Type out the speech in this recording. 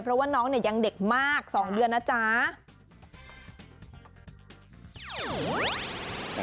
เพราะว่าน้องเนี่ยยังเด็กมาก๒เดือนนะจ๊ะ